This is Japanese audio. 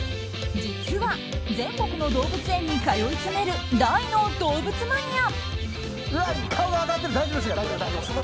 実は、全国の動物園に通い詰める大の動物マニア。